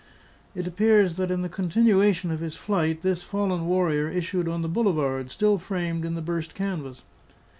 It appears that, in the continuation of his flight, this fallen warrior issued on the boulevard still framed in the burst canvas.